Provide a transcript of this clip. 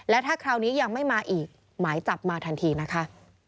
และถ้าคราวนี้ยังไม่มาอีกหมายจับมาทันทีนะคะ